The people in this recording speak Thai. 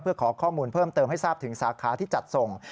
เพื่อขอข้อมูลเพิ่มเติมให้ทราบถึงสาขาที่จัดส่ง